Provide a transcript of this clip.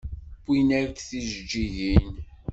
Wwin-ak-d tijeǧǧigin.